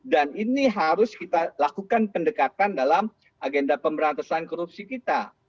dan ini harus kita lakukan pendekatan dalam agenda pemberantasan korupsi kita